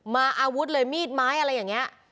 อาวุธเลยมีดไม้อะไรอย่างนี้